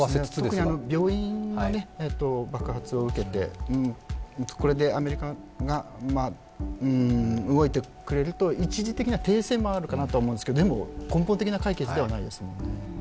特に病院も爆発を受けて、これでアメリカが動いてくれると一時的な停戦もあるかなと思いますけど、でも、根本的な解決ではないですね。